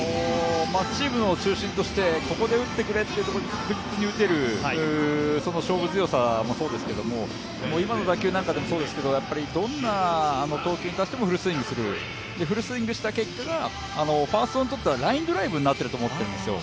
チームの中心としてここで打ってくれというところで確実に打てるその勝負強さもそうですが今の打球なんかでもそうですけど、どんな投球に対してもフルスイングする、フルスイングした結果はファーストにとってはラインドライブになっていると思うんですよ。